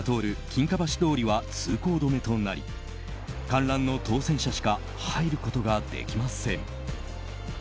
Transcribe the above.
金華橋通りは通行止めとなり観覧の当選者しか入ることができません。